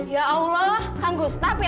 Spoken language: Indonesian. ya allah kang gustab ya